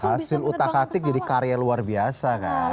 hasil utak atik jadi karya luar biasa kan